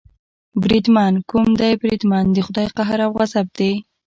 بریدمن، کوم دی بریدمن، د خدای قهر او غضب دې.